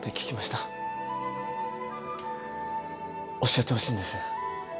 教えてほしいんです。